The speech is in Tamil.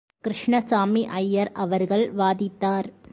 கிருஷ்ணசாமி ஐயர் அவர்கள் வாதித்தார்.